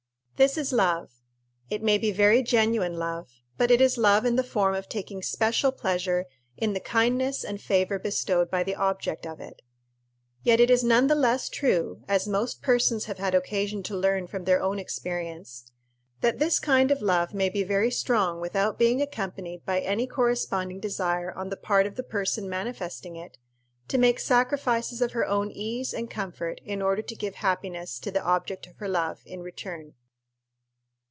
This is love. It may be very genuine love; but it is love in the form of taking special pleasure in the kindness and favor bestowed by the object of it. Yet it is none the less true, as most persons have had occasion to learn from their own experience, that this kind of love may be very strong without being accompanied by any corresponding desire on the part of the person manifesting it to make sacrifices of her own ease and comfort in order to give happiness to the object of her love in return.